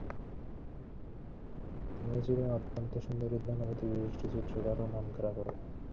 আরজু সিকদার মাদক সেবন করা থেকে শুরু করে জড়িয়ে পড়েন জুয়া খেলায়ও।